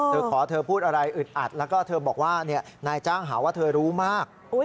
เธอขอเถพูดอะไรอึดอัดเธอบอกว่าเนี่ยนายจ้างหาว่าเธอรู้มาก